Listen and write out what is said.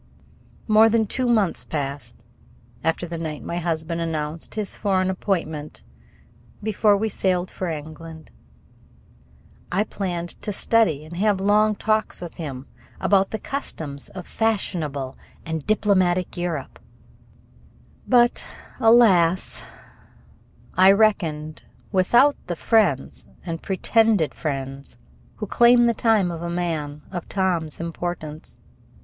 More than two months passed after the night my husband announced his foreign appointment before we sailed for England. I planned to study and to have long talks with him about the customs of fashionable and diplomatic Europe, but alas! I reckoned without the friends and pretended friends who claim the time of a man of Tom's importance.